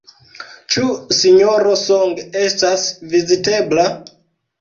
Ĉu Sinjoro Song estas vizitebla?